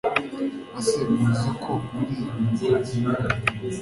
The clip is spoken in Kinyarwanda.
ese muzi ko muri uru rugo